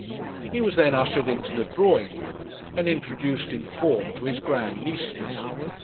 He was then ushered into the drawing room, and introduced in form to his grand nieces.